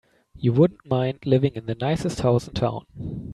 You wouldn't mind living in the nicest house in town.